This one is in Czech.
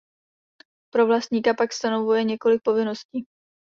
Pro vlastníka pak stanovuje několik povinností.